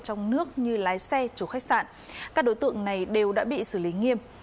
trong nước như lái xe chủ khách sạn các đối tượng này đều đã bị xử lý nghiêm